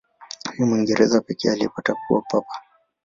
Ni Mwingereza pekee aliyepata kuwa Papa.